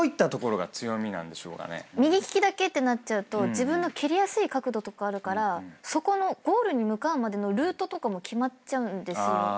右利きだけってなっちゃうと自分の蹴りやすい角度とかあるからそこのゴールに向かうまでのルートとかも決まっちゃうんです。